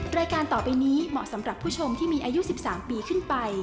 รายการต่อไปนี้เหมาะสำหรับผู้ชมที่มีอายุ๑๓ปีขึ้นไป